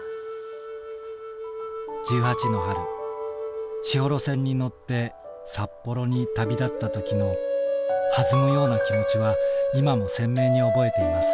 １８の春士幌線に乗って札幌に旅立ったときの弾むような気持ちは今も鮮明に覚えています。